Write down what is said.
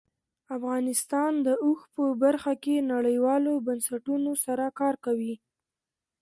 افغانستان د اوښ په برخه کې نړیوالو بنسټونو سره کار کوي.